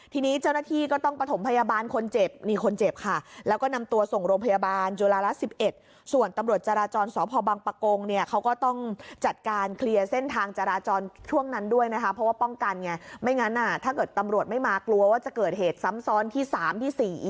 ทีนี้เจ้าหน้าที่ก็ต้องปะถมพยาบาลคนเจ็บ